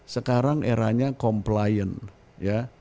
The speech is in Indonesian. sekarang eranya komplain ya